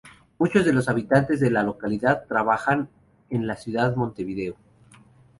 Muchos de los habitantes de la localidad trabajan en la ciudad Montevideo.